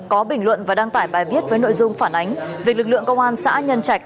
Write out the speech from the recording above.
có bình luận và đăng tải bài viết với nội dung phản ánh việc lực lượng công an xã nhân trạch